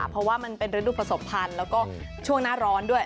เพราะว่ามันเป็นฤดูผสมพันธ์แล้วก็ช่วงหน้าร้อนด้วย